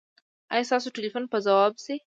ایا ستاسو ټیلیفون به ځواب شي؟